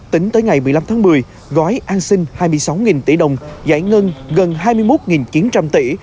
tính tới ngày một mươi năm tháng một mươi gói an sinh hai mươi sáu tỷ đồng giải ngân gần hai mươi một chín trăm linh tỷ